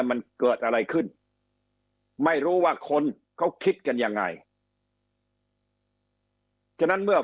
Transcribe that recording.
มันเกิดอะไรขึ้นไม่รู้ว่าคนเขาคิดกันยังไงฉะนั้นเมื่อ